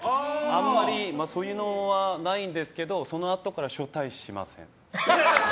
あんまりそういうのはないんですけどそのあとから招待しません。